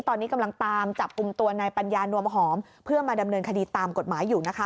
ตอนนี้กำลังตามจับกลุ่มตัวนายปัญญานวมหอมเพื่อมาดำเนินคดีตามกฎหมายอยู่นะคะ